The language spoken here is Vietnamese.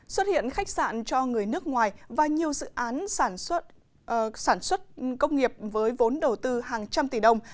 xuất hiện khách sạn cho người nước ngoài và nhiều dự án sản xuất công nghiệp với vốn đầu tư hàng trăm tỷ đồng